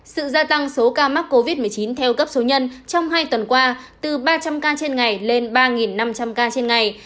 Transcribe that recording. sự gia tăng số ca mắc covid một mươi chín theo cấp số nhân trong hai tuần qua từ ba trăm linh ca trên ngày lên ba năm trăm linh ca trên ngày